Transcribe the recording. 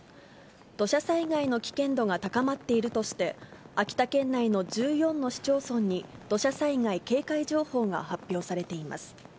土砂災害の危険度が高まっているとして、秋田県内の１４の市町村に土砂災害警戒情報が発表されています。